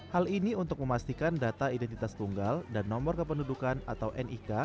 hal ini untuk memastikan data identitas tunggal dan nomor kependudukan atau nik